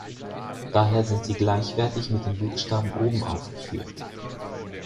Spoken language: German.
Daher sind sie gleichwertig mit den Buchstaben oben aufgeführt.